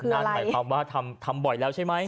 นั่นหมายความว่าทำบ่อยแล้วใช่ไหม